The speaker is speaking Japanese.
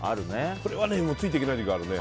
これはついていけない時あるね。